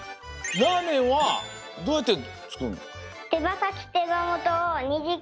ラーメンはどうやってつくるの？